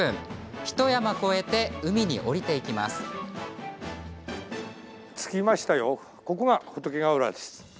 ひと山越えて海に下りていきます。